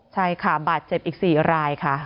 ใช่ค่ะบาดเจ็บอีก๔รายค่ะ